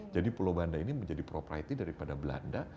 jadi pulau banda ini menjadi property daripada belanda